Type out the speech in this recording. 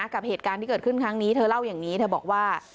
กับเหตุการณ์ที่เกิดขึ้นครั้งนี้เธอเล่าอย่างนี้เธอบอกว่า